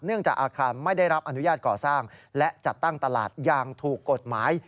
จากอาคารไม่ได้รับอนุญาตก่อสร้างและจัดตั้งตลาดอย่างถูกกฎหมาย